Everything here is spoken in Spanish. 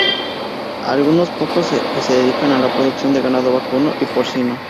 Algunos pocos que se dedican a la producción de ganado vacuno y porcino.